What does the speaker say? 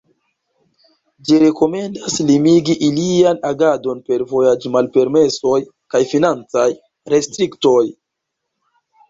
Ĝi rekomendas limigi ilian agadon per vojaĝmalpermesoj kaj financaj restriktoj.